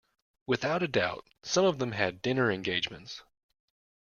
Without a doubt, some of them have dinner engagements.